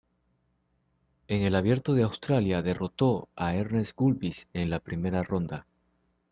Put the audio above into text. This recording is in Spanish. En el Abierto de Australia, derrotó a Ernests Gulbis en la primera ronda.